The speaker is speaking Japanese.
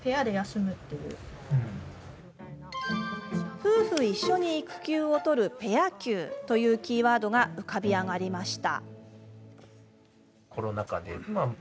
夫婦一緒に育休を取るペア休というキーワードが浮かび上がりました。